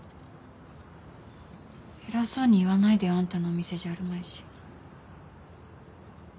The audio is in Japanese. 偉そうに言わないでよあんたのお店じゃあるまいし。